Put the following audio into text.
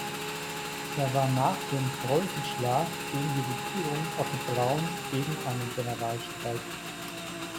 Er war nach dem Preußenschlag gegen die Regierung Otto Braun gegen einen Generalstreik.